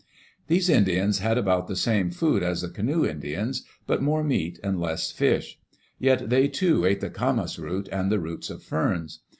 These Indians had about the same food as the canoe Indians, but more meat and less fish; yet they, too, ate the camas root and the roots of ferns.